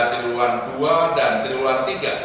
triwulan dua dan triwulan tiga